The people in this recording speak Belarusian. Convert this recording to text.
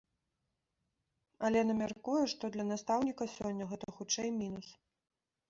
Алена мяркуе, што для настаўніка сёння гэта хутчэй мінус.